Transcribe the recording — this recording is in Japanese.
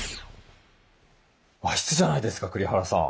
和室じゃないですか栗原さん。